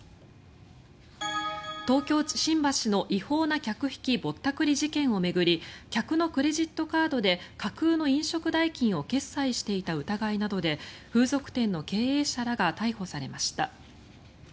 東京・新橋の違法な客引き・ぼったくり事件を巡り客のクレジットカードで架空の飲食代金を決済していた疑いなどで風俗店の経営者らが逮捕されました。